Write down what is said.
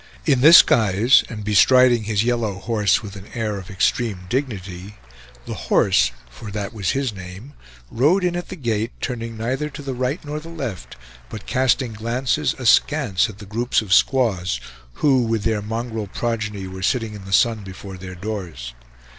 In this guise, and bestriding his yellow horse with an air of extreme dignity, The Horse, for that was his name, rode in at the gate, turning neither to the right nor the left, but casting glances askance at the groups of squaws who, with their mongrel progeny, were sitting in the sun before their doors.